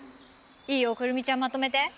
いいよ来泉ちゃんまとめて。